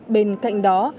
bên cạnh đó